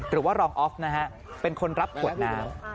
หรือว่ารองออฟนะฮะเป็นคนรับขวดน้ำ